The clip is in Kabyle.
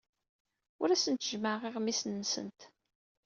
Ur asent-jemmɛeɣ iɣmisen-nsent.